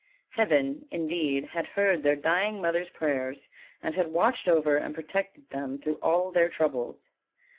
Heaven, indeed, had heard their dying mother's prayers, and had watched over and protected them through all their troubles.